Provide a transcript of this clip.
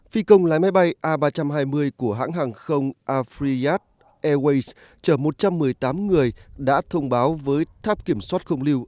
phi công lái máy bay a ba trăm hai mươi của hãng hàng không afreat airways chở một trăm một mươi tám người đã thông báo với tháp kiểm soát không lưu